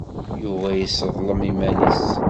Yuba yesseḍlem iman-nnes.